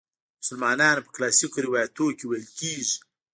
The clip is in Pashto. د مسلمانانو په کلاسیکو روایتونو کې ویل کیږي.